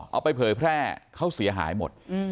เอาไปเผยแพร่เขาเสียหายหมด